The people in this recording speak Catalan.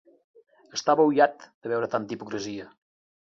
Estava oiat de veure tanta hipocresia.